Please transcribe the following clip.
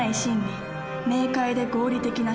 明快で合理的な思考。